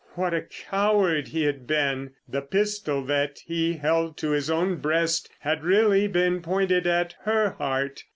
What a coward he had been. The pistol that he held to his own breast had really been pointed at her heart.